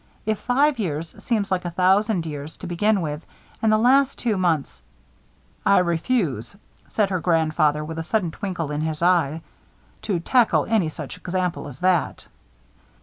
If five years seemed like a thousand years to begin with, and the last two months " "I refuse," said her grandfather, with a sudden twinkle in his eye, "to tackle any such example as that."